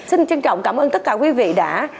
xin trân trọng cảm ơn tất cả quý vị đã